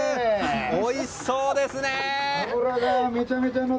おいしそうですね！